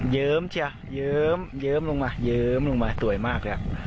เยิ้มเชียยื้อมยื้อมลงมายื้อมลงมาสวยมากเลย